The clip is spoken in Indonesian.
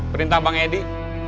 perintah bang edi